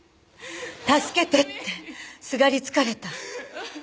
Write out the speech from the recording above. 助けてってすがりつかれた。